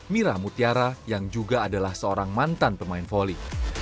mira mutiara yang juga adalah seorang mantan pemain voli